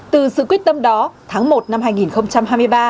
từ sự quyết tâm đó tháng một năm hai nghìn hai mươi ba